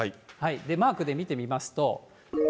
マークで見てみますと。